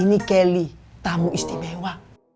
ini kelly tamu istimewa